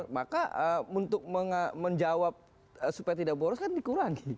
maka untuk menjawab supaya tidak boros kan dikurangi